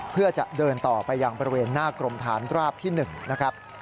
เพื่อจะเดินต่อไปยังบริเวณหน้ากรมฐานราบที่๑นะครับ